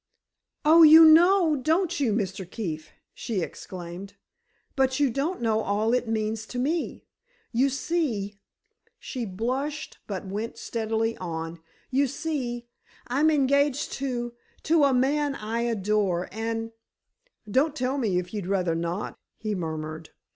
"Oh, you know, don't you, Mr. Keefe!" she exclaimed. "But you don't know all it means to me. You see"—she blushed but went steadily on—"you see, I'm engaged to—to a man I adore. And——" "Don't tell me if you'd rather not," he murmured.